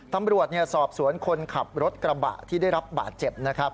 ตำรวจสอบสวนคนขับรถกระบะที่ได้รับบาดเจ็บนะครับ